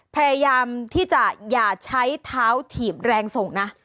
พยายามที่จะอย่าใช้เท้าถีบแรงส่งนะ